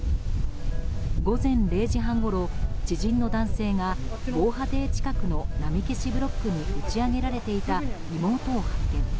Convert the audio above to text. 午前０時半ごろ、知人の男性が防波堤近くの波消しブロックに打ち上げられていた妹を発見。